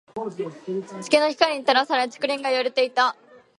月の光に照らされ、竹林が揺れていた。